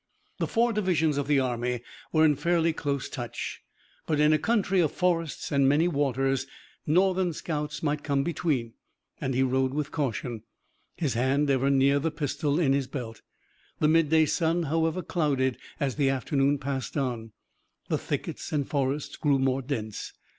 The four divisions of the army were in fairly close touch, but in a country of forests and many waters Northern scouts might come between, and he rode with caution, his hand ever near the pistol in his belt. The midday sun however clouded as the afternoon passed on. The thickets and forests grew more dense.